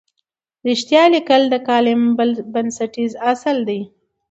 رښتیا لیکل د کالم بنسټیز اصل دی.